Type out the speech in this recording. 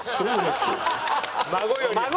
孫より歯！